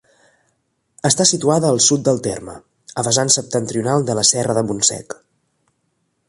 Està situada al sud del terme, al vessant septentrional de la Serra del Montsec.